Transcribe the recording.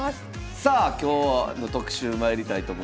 さあ今日の特集まいりたいと思います。